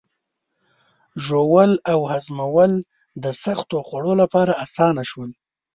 ژوول او هضمول د سختو خوړو لپاره آسانه شول.